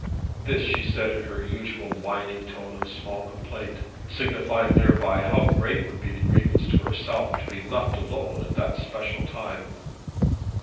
This she said in her usual whining tone of small complaint, signifying thereby how great would be the grievance to herself to be left alone at that special time.